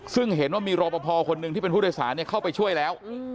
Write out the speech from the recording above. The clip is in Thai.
ซึ่งเห็นว่ามีรอปภคนหนึ่งที่เป็นผู้โดยสารเข้าไปช่วยแล้ว